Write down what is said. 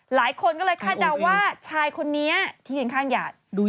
หลายคนก็เลยคาดเดาว่าชายคนนี้ที่ยืนข้างหยาด